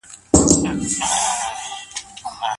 ملا راوړی نوی کتاب دی